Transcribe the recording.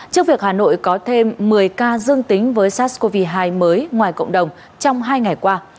trước việc hà nội có thêm một mươi ca dương tính với sars cov hai mới ngoài cộng đồng trong hai ngày qua